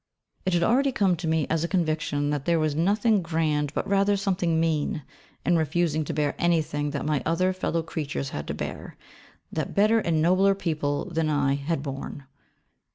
It had already come to me as a conviction that there was nothing grand, but rather something mean, in refusing to bear anything that my other fellow creatures had to bear, that better and nobler people than I had borne.